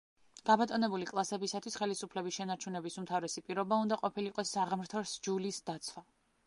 გაბატონებული კლასებისათვის ხელისუფლების შენარჩუნების უმთავრესი პირობა უნდა ყოფილიყო „საღმრთო სჯულის“ დაცვა.